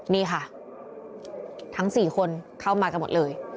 นี่ค่ะทั้ง๔คนเข้ามากันหมดเลย